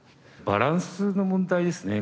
バランスの問題ですね。